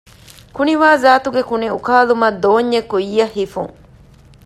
ކުނިވާޒާތުގެ ކުނިއުކާލުމަށް ދޯންޏެއް ކުއްޔަށް ހިފުން